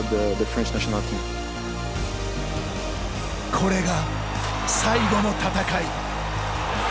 これが最後の戦い。